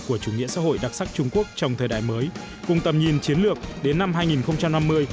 của chủ nghĩa xã hội đặc sắc trung quốc trong thời đại mới cùng tầm nhìn chiến lược đến năm hai nghìn năm mươi